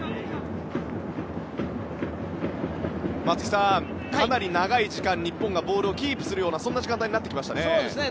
松木さん、かなり長い時間日本がボールをキープする時間帯になってきましたね。